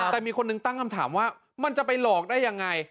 แต่มีคนหนึ่งตั้งคำถามว่ามันจะไปหลอกได้ยังไง